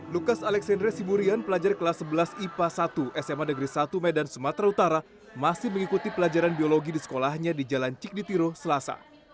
lukas alexandra siburian pelajar kelas sebelas ipa satu sma negeri satu medan sumatera utara masih mengikuti pelajaran biologi di sekolahnya di jalan cikditiro selasa